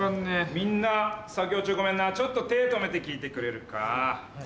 みんな作業中ごめんなちょっと手止めて聞いてくれるか。